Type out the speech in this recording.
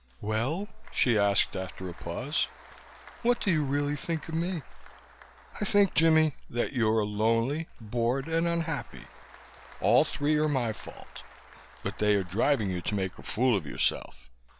"Well," she asked, after a pause. "What do you really think of me?" "I think, Jimmie, that you're lonely, bored and unhappy. All three are my fault but they are driving you to make a fool of yourself.